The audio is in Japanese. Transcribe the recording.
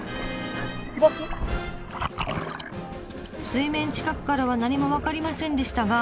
水面近くからは何も分かりませんでしたが。